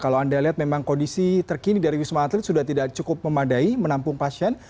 kalau anda lihat memang kondisi terkini dari wisma atlet sudah tidak cukup memadai menampung pasien